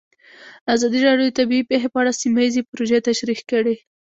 ازادي راډیو د طبیعي پېښې په اړه سیمه ییزې پروژې تشریح کړې.